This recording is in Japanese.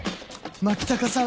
牧高さん